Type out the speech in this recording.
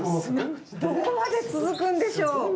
どこまで続くんでしょう。